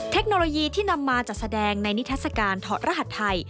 เทคโนโลยีที่นำมาจัดแสดงในนิทัศกาลถอดรหัสไทย